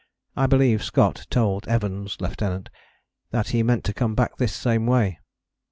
I believe Scott told Evans (Lieut.) that he meant to come back this same way."